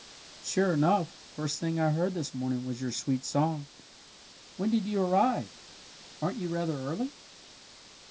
"Sure enough, the first thing I heard this morning was your sweet song. When did you arrive? Aren't you rather early?"